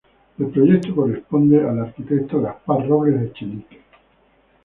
El proyecto corresponde al arquitecto Gaspar Robles Echenique.